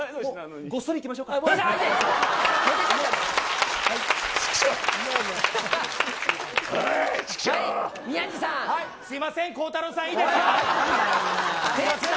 ごっそりいきましょうか。